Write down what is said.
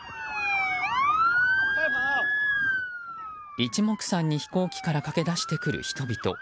一目散に飛行機から駆け出してくる人々。